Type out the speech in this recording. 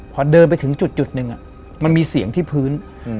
พอเดินไปถึงจุดหนึ่งมันมีเสียงที่พื้น